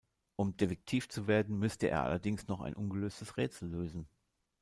Um Detektiv zu werden müsste er allerdings noch ein ungelöstes Rätsel lösen.